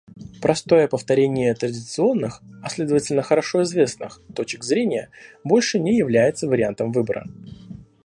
Простое повторение традиционных — а следовательно хорошо известных — точек зрения больше не является вариантом выбора.